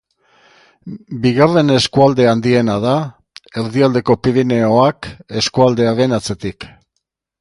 Bigarren eskualde handiena da, Erdialdeko Pirinioak eskualdearen atzetik.